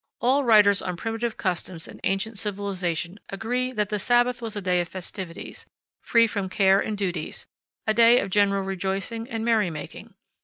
All writers on primitive customs and ancient civilization agree that the Sabbath was a day of festivities, free from care and duties, a day of general rejoicing and merry making.